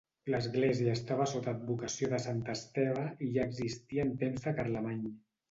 L'església estava sota advocació de Sant Esteve i ja existia en temps de Carlemany.